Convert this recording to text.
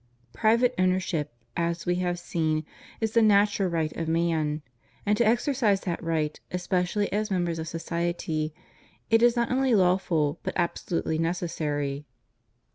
Private owner ship, as we have seen, is the natural right of man ; and to exercise that right, especially as members of society, is not only lawful, but absolutely necessary.